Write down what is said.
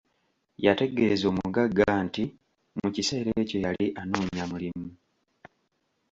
Yategeeza omugagga nti mu kiseera ekyo yali anoonya mulimu.